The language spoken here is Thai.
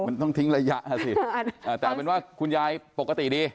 มันต้องทิ้งระยะหาสิอาจจะว่าคุณยายปกติดี